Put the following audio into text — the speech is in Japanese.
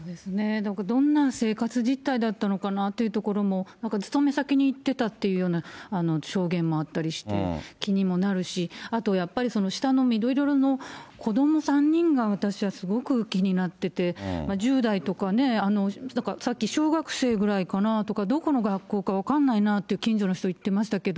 なんかどんな生活実態だったのかなっていうところも、なんか勤め先に行ってたっていうような証言もあったりして、気にもなるし、あとやっぱり、下の緑色の子ども３人が私はすごく気になってて、１０代とかね、なんかさっき、小学生ぐらいかなとか、どこの学校か分かんないなって、近所の人が言っていましたけど。